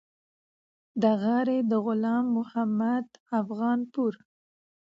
همداسې د غلام محمد افغانپور